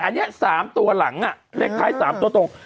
อันนี้๓ตัวหลังเลขท้าย๓ตัวตรง